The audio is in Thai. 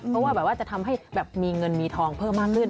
เพราะว่าจะทำให้มีเงินมีทองเพิ่มมากขึ้น